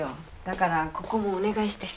だからここもお願いして。